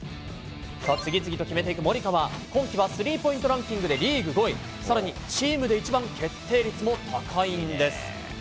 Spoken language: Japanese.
さあ、次々と決めていく森川、今季はスリーポイントランキングでリーグ５位、さらにチームで一番、決定率も高いんです。